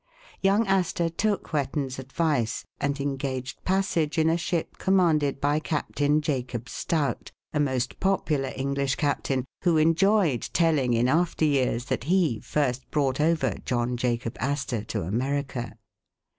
Young Astor took Whetten 's advise, and engaged passage in a ship commanded by Captain Jacob Stout, a most popular English Captain, who enjoyed telling in after years, that he first brought over John Jacob Astor to America.